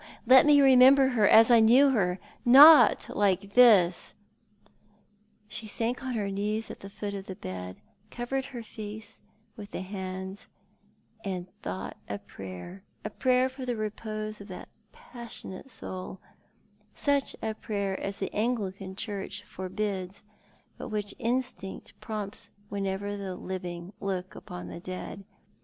Let me remember her as I knew her — not like this." She sank on her knees at the foot of the bed, covered her face with her hands, and thought a prayer — a prayer for the repose of that passionate soul — such a prayer as the Anglican Church forbids, but which instinct prompts whenever the living look upon the dead.